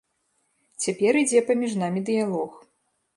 Цяпер ідзе паміж намі дыялог.